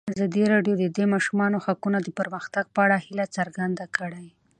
ازادي راډیو د د ماشومانو حقونه د پرمختګ په اړه هیله څرګنده کړې.